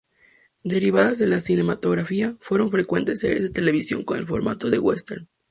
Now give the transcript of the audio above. Derivadas de la cinematografía, fueron frecuentes series de televisión con el formato del western.